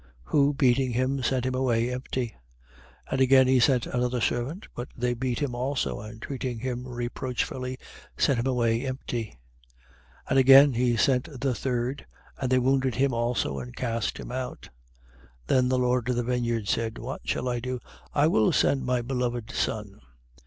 Who, beating him, sent him away empty. 20:11. And again he sent another servant. But they beat him also and, treating him reproachfully, sent him away empty. 20:12. And again he sent the third: and they wounded him also and cast him out. 20:13. Then the lord of the vineyard said: What shall I do? I will send my beloved son.